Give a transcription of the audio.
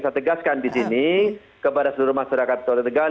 saya tegaskan di sini kepada seluruh masyarakat kota tegal